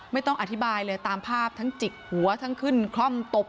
ไม่ต้องอธิบายเลยตามภาพทั้งจิกหัวทั้งขึ้นคล่อมตบ